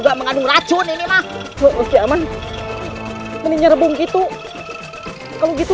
camera itu perlu selalu kayak gitu